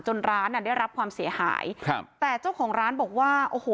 ร้านอ่ะได้รับความเสียหายครับแต่เจ้าของร้านบอกว่าโอ้โห